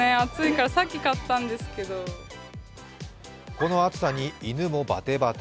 この暑さに犬もバテバテ。